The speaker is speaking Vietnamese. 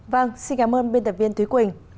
vâng xin cảm ơn biên tập viên thúy quỳnh